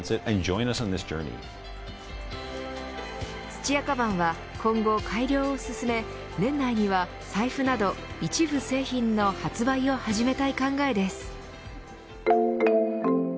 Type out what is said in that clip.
土屋鞄は今後、改良を進め年内には財布など一部製品の発売を始めたい考えです。